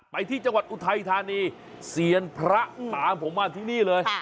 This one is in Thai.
ไปที่จังหวัดอุทัยธานีเซียนพระตามผมมาที่นี่เลย